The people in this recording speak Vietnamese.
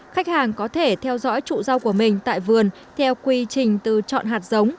khách hàng có thể theo dõi trụ rau của mình tại vườn theo quy trình từ chọn hạt giống